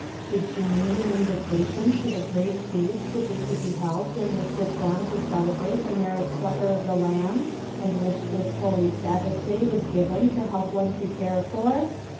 Did she mean an invitation to the great feast which is to be held when they sit down to celebrate the marriage supper of the Lamb, and which this holy Sabbath day was given to help one prepare for?